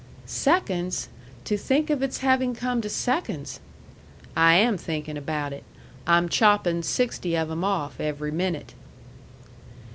"Seconds! To think of its having come to seconds!" "I am thinkin' about it. I'm choppin' sixty of 'em off every minute."